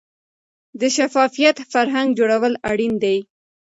د شفافیت فرهنګ جوړول اړین دي